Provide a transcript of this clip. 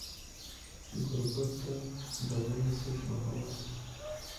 چي ګوربت د غره له څوکي په هوا سو